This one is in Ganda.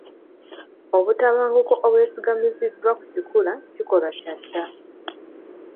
Obutabanguko obwesigamiziddwa ku kikula kikolwa kya dda.